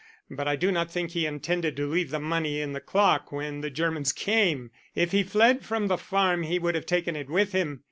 "But I do not think he intended to leave the money in the clock when the Germans came. If he fled from the farm he would have taken it with him.